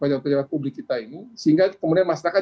pejabat pejabat publik kita ini sehingga kemudian masyarakat